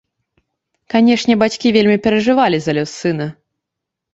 Канешне, бацькі вельмі перажывалі за лёс сына.